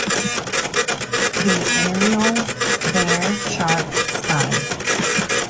The areoles bear sharp spines.